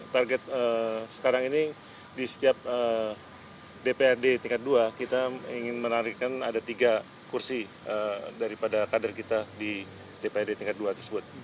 target sekarang ini di setiap dprd tingkat dua kita ingin menarikkan ada tiga kursi daripada kader kita di dprd tingkat dua tersebut